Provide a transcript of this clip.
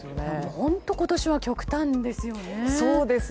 本当今年は極端ですよね。